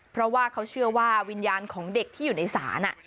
เพราะว่าเขาเชื่อว่าวิญญาณของเด็กที่อยู่ในศาล